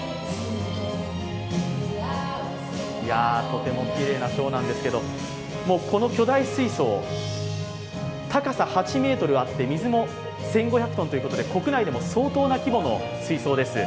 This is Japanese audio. とてもきれいなショーなんですけど、この巨大水槽、高さ８ｍあって、水も１５００ｔということで国内でも相当な規模の水槽です。